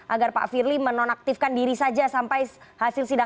agar pak firly menonaktifkan diri saja sampai hasil sidang